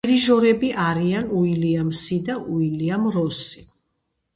დირიჟორები არიან უილიამსი და უილიამ როსი.